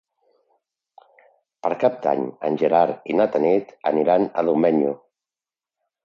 Per Cap d'Any en Gerard i na Tanit aniran a Domenyo.